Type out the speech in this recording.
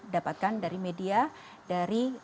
dapatkan dari media dari